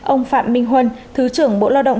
ông phạm minh huân thứ trưởng bộ lo động